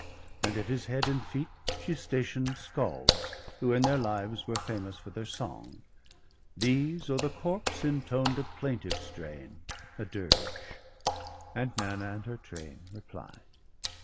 And at his head and feet she station'd Scalds Who in their lives were famous for their sons: ; These o'er the corpse intoned a plaintive strain, A dirge; and Nanna and her train replied.